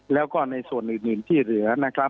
แล้วก็ในส่วนอื่นที่เหลือนะครับ